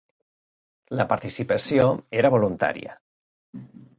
La participació era voluntària.